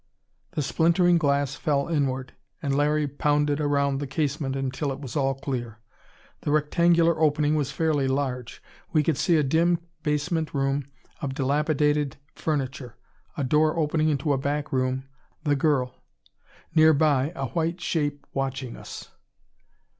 The splintering glass fell inward, and Larry pounded around the casement until it was all clear. The rectangular opening was fairly large. We could see a dim basement room of dilapidated furniture: a door opening into a back room; the girl; nearby, a white shape watching us.